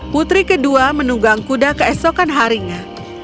putri kedua menunggang kuda keesokan harinya